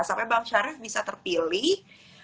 sampai bang syarif bisa terpilih